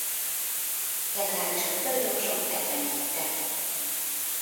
Legalábbis a tulajdonosok ebben hittek.